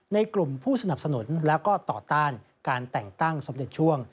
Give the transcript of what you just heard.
ในกลุ่มผู้สนับสนุนแล้วก็ต่อต้านการแต่งตั้งสมเด็จช่วง